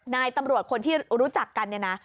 นายตำรวจคนที่รู้จักกัน